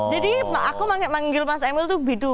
jadi aku manggil mas emil tuh bidu